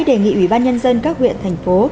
đề nghị ubnd các huyện thành phố